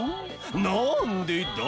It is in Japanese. なんでだ？